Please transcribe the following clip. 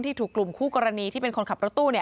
ถูกกลุ่มคู่กรณีที่เป็นคนขับรถตู้